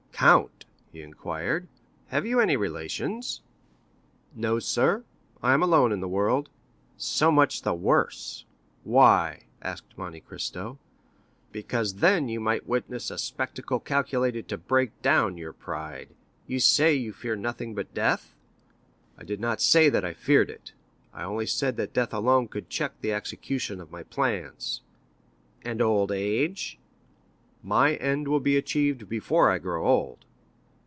"Count," he inquired, "have you any relations?" "No, sir, I am alone in the world." "So much the worse." "Why?" asked Monte Cristo. "Because then you might witness a spectacle calculated to break down your pride. You say you fear nothing but death?" "I did not say that I feared it; I only said that death alone could check the execution of my plans." "And old age?" "My end will be achieved before I grow old."